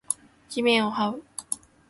地面を這う